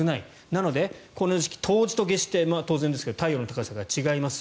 なので、この時期冬至と夏至って当然ですが太陽の高さが違います。